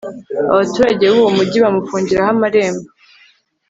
abaturage b'uwo mugi bamufungiraho amarembo